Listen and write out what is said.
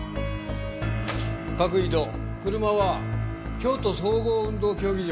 各移動車は京都総合運動競技場。